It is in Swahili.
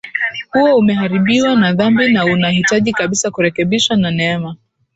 huo umeharibiwa na dhambi na unahitaji kabisa kurekebishwa na neema